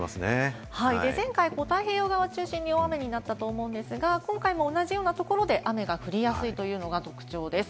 前回、太平洋側を中心に大雨になったと思うんですが、今回も同じようなところで雨が降りやすいというのが特徴です。